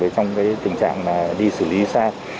trong tình trạng đi xử lý xa